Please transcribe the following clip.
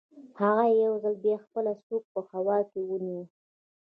هغه یو ځل بیا خپله سوک په هوا کې ونیو